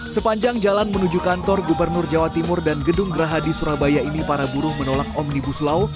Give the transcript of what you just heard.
sepanjang jalan menuju kantor gubernur jawa timur dan gedung geraha di surabaya ini para buruh menolak omnibus law